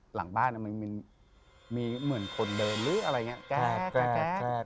หลังบ้านมีเหมือนคนเดินอะไรอย่างงี้